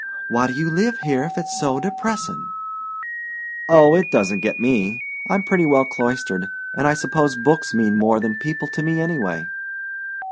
"Why do you live here if it's so depressing?" "Oh, it doesn't get me. I'm pretty well cloistered, and I suppose books mean more than people to me anyway."